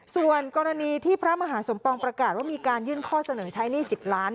ส่วนกรณีที่พระมหาสมปองประกาศว่ามีการยื่นข้อเสนอใช้หนี้๑๐ล้าน